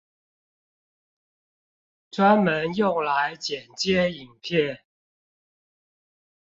專門用來剪接影片